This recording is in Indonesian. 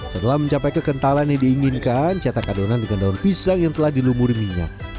setelah mencapai kekentalan yang diinginkan cetak adonan dengan daun pisang yang telah dilumuri minyak